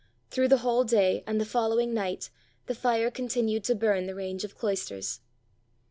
Through the whole day and the following night the fire continued to bum the range of cloisters.